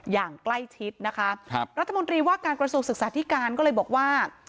อย่างใกล้ชิดนะคะครับรัฐมนตรีว่าการกระทรวงศึกษาธิการก็เลยบอกว่า